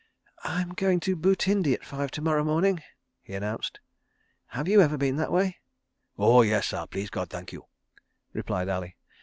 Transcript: "I am going to Butindi at five to morrow morning," he announced. "Have you ever been that way?" "Oh, yes, sah, please God, thank you," replied Ali.